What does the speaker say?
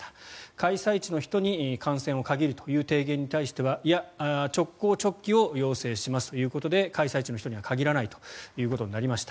開催地の人に観戦は限るという提言に対しては直行直帰を要請しますということで開催地の人には限らないということになりました。